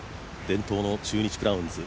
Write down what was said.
伝統の中日クラウンズ。